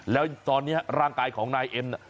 แล้วตอนนี้ร่างกายของนายเอ็ม